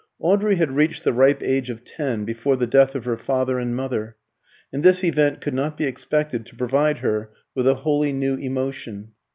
Audrey had reached the ripe age of ten before the death of her father and mother, and this event could not be expected to provide her with a wholly new emotion.